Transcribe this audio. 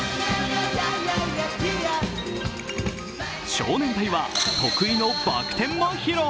少年隊は得意のバク転も披露。